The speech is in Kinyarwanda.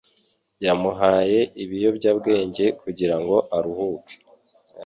Yamuhaye ibiyobyabwenge kugirango aruhuke.